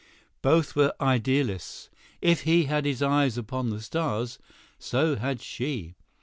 Both were idealists; if he had his eyes upon the stars, so had she.